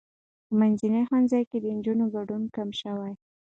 په منځني ښوونځي کې د نجونو ګډون کم شوی.